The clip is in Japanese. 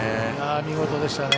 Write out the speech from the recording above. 見事でしたね。